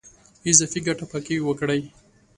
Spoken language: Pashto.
اضافي ګټه په کې وکړي.